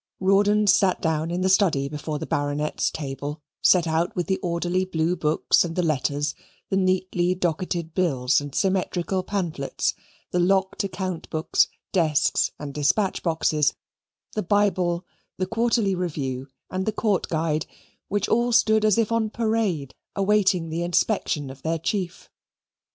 Rawdon sat down in the study before the Baronet's table, set out with the orderly blue books and the letters, the neatly docketed bills and symmetrical pamphlets, the locked account books, desks, and dispatch boxes, the Bible, the Quarterly Review, and the Court Guide, which all stood as if on parade awaiting the inspection of their chief.